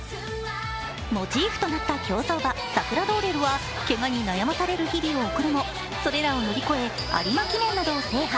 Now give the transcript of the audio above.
モチーフとなった競走馬、サクラローレルはけがに悩まされる日々を送るもそれらを乗り越え、有馬記念などを制覇。